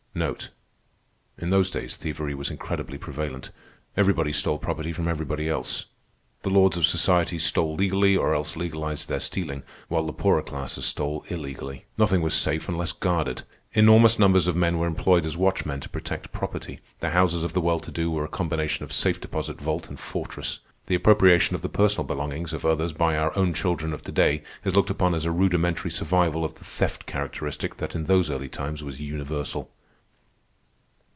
In those days thievery was incredibly prevalent. Everybody stole property from everybody else. The lords of society stole legally or else legalized their stealing, while the poorer classes stole illegally. Nothing was safe unless guarded. Enormous numbers of men were employed as watchmen to protect property. The houses of the well to do were a combination of safe deposit vault and fortress. The appropriation of the personal belongings of others by our own children of to day is looked upon as a rudimentary survival of the theft characteristic that in those early times was universal.